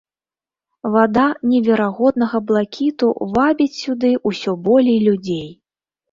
Вада неверагоднага блакіту вабіць сюды ўсё болей людзей.